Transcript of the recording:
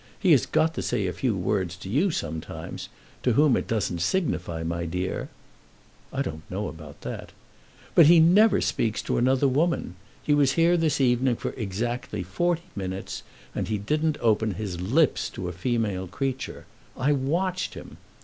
He has got to say a few words to you sometimes, to whom it doesn't signify, my dear " "I don't know about that." "But he never speaks to another woman. He was here this evening for exactly forty minutes, and he didn't open his lips to a female creature. I watched him.